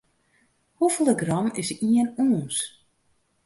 Hoefolle gram is ien ûns?